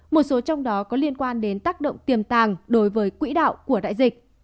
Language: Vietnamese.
một số trong đó có liên quan đến tác động tiềm tàng đối với quỹ đạo của đại dịch